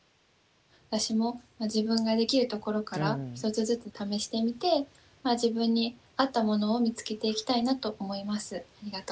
私も自分ができるところから１つずつ試してみて自分に合ったものを見つけていきたいなと思います。